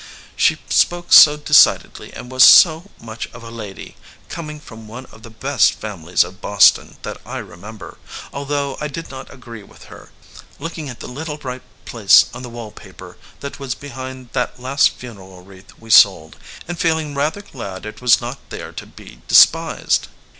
She spoke so decidedly and was so much of a lady, coming from one of the best families of Boston, that I remember, although I did not agree with her, looking at the little bright place on the wall paper that was behind that last funeral wreath we sold, and feeling rather glad it was not there to be despised."